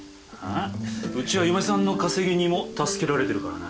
あうちは嫁さんの稼ぎにも助けられてるからな。